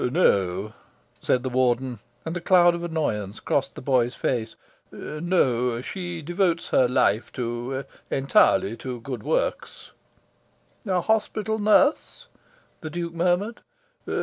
"No," said the Warden; and a cloud of annoyance crossed the boy's face. "No; she devotes her life entirely to good works." "A hospital nurse?" the Duke murmured.